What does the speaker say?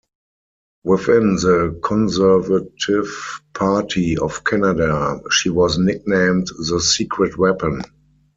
Within the Conservative Party of Canada, she was nicknamed the "secret weapon".